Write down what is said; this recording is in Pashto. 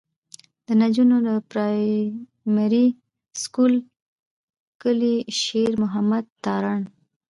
د نجونو پرائمري سکول کلي شېر محمد تارڼ.